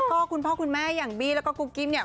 ก็คุณพ่อคุณแม่อย่างบี้แล้วก็กุ๊กกิ๊บเนี่ย